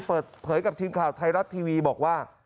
เปิดเผยกับทีมข่าวไทยรัฐทีวีบอกว่า